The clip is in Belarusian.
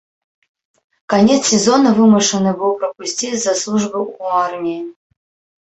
Канец сезону вымушаны быў прапусціць з-за службы ў арміі.